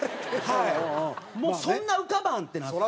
そんな浮かばんってなって。